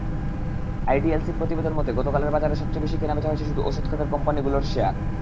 আইডিএলসির প্রতিবেদন মতে, গতকালের বাজারে সবচেয়ে বেশি কেনাবেচা হয়েছে ওষুধ খাতের কোম্পানিগুলোর শেয়ার।